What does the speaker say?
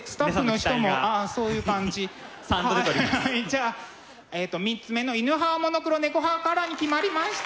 はいじゃあ３つ目の「犬派はモノクロ猫派はカラー」に決まりました！